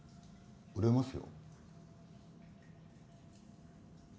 売れますよ。